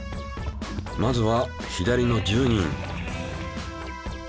まずは左の１０人。